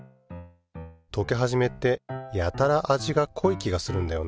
とけはじめってやたら味が濃い気がするんだよな。